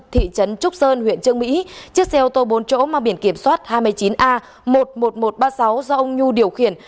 thị trấn trúc sơn huyện trương mỹ chiếc xe ô tô bốn chỗ mang biển kiểm soát hai mươi chín a một mươi một nghìn một trăm ba mươi sáu do ông nhu điều khiển